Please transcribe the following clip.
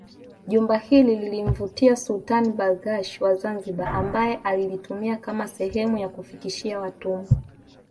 Jumba hili lilimvutia Sultani Barghash wa Zanzibar ambaye alilitumia kama sehemu ya kufikishia watumwa